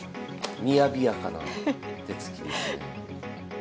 みやびやかな手つきですね。